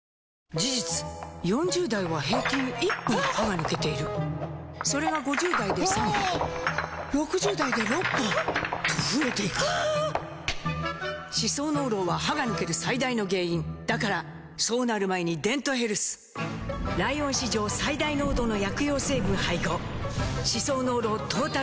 事実４０代は平均１本歯が抜けているそれが５０代で３本６０代で６本と増えていく歯槽膿漏は歯が抜ける最大の原因だからそうなる前に「デントヘルス」ライオン史上最大濃度の薬用成分配合歯槽膿漏トータルケア！